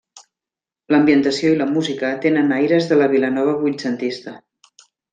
L'ambientació i la música tenen aires de la Vilanova vuitcentista.